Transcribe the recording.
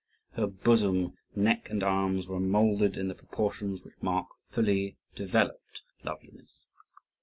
Her bosom, neck, and arms were moulded in the proportions which mark fully developed loveliness.